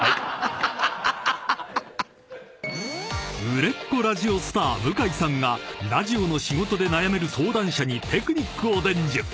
［売れっ子ラジオスター向井さんがラジオの仕事で悩める相談者にテクニックを伝授］